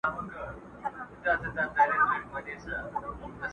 دا جاهل او دا کم ذاته دا کم اصله.